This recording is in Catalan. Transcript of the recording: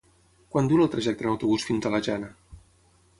Quant dura el trajecte en autobús fins a la Jana?